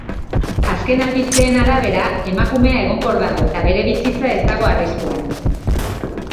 Azken albisteen arabera, emakumea egonkor dago eta bere bizitza ez dago arriskuan.